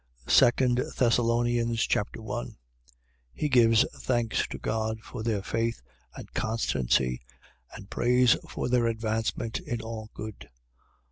2 Thessalonians Chapter 1 He gives thanks to God for their faith and constancy and prays for their advancement in all good.